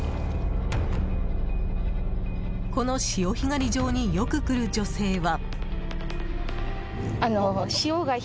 この潮干狩り場によく来る女性は。